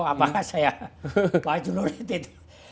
apakah saya bawa celurit itu